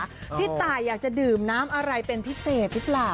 พี่ตายอยากจะดื่มน้ำอะไรเป็นพิเศษหรือเปล่า